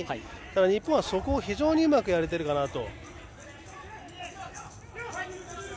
日本はそこを非常にうまくやれているかなと。